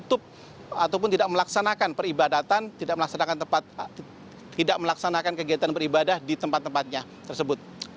tidak melaksanakan peribadatan tidak melaksanakan kegiatan peribadah di tempat tempatnya tersebut